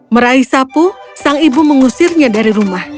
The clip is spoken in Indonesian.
meraih sapu sang ibu mengusirnya dari rumah